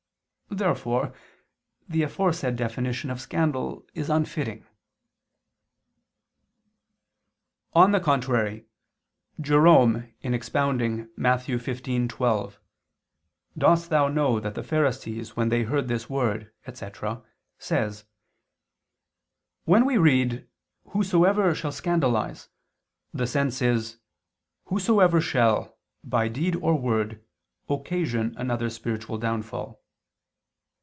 Therefore the aforesaid definition of scandal is unfitting. On the contrary, Jerome in expounding Matt. 15:12, "Dost thou know that the Pharisees, when they heard this word," etc. says: "When we read 'Whosoever shall scandalize,' the sense is 'Whosoever shall, by deed or word, occasion another's spiritual downfall.'"